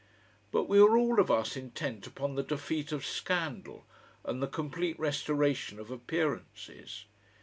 But we were all of us intent upon the defeat of scandal and the complete restoration of appearances.